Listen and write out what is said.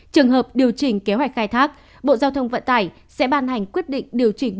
trường hợp điều chỉnh kế hoạch khai thác bộ giao thông vận tải sẽ ban hành quyết định điều chỉnh kế hoạch khai thác